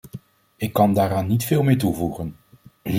Ik kan daaraan niet veel meer toevoegen.